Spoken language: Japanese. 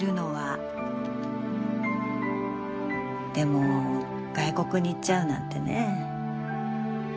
でも外国に行っちゃうなんてねえ。